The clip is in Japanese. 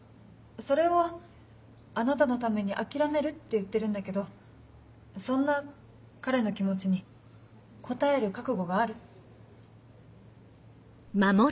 それをあなたのために諦めるって言ってるんだけどそんな彼の気持ちに応える覚悟がある？